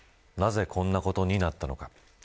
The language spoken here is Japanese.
なぜこんなことになったのか。